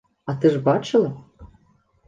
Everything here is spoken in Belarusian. А ты ж бачыла?